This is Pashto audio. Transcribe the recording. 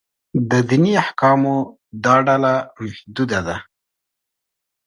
د دیني احکامو دا ډله محدود ده.